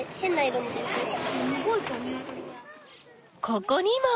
ここにも！